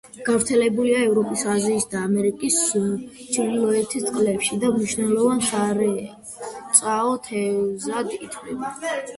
გავრცელებულია ევროპის, აზიისა და ამერიკის ჩრდილოეთის წყლებში და მნიშვნელოვან სარეწაო თევზად ითვლება.